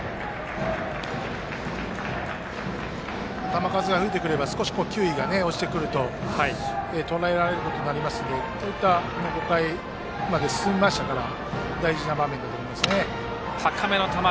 球数が増えてくれば球威が落ちてくるととらえられることがありますので５回まで進みましたから大事な場面だと思いますね。